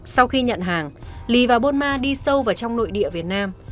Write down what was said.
sau khi nhận hàng lý và bôn ma đi sâu vào trong nội địa việt nam